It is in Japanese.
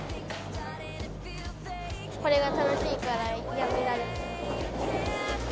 これが楽しいからやめられない。